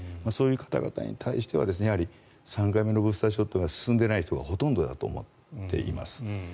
そういう方々に対しては３回目のブースターショットが進んでいない人がほとんどだと思っています。